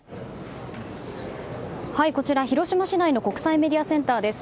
こちら、広島市内の国際メディアセンターです。